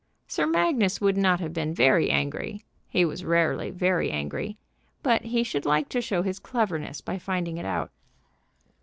Sir Magnus would not have been very angry, he was rarely very angry, but he should like to show his cleverness by finding it out.